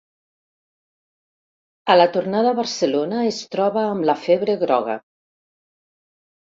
A la tornada a Barcelona es troba amb la febre groga.